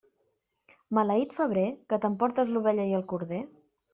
Maleït febrer, que t'emportes l'ovella i el corder.